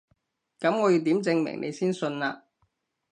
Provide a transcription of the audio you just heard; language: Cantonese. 噉我要點證明你先信啊？